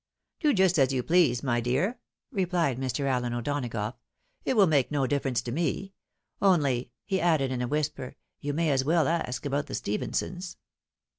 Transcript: " Do just as you please, ray dear," replied Mr. Aljen O'Donagough. " It wiU make no difference to me. Only," he added, in a whisper, "you may as well ask about the Stephensons."